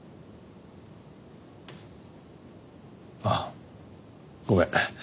あっごめん。